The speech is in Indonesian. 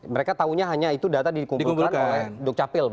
mereka tahunya hanya itu data dikumpulkan oleh duk capil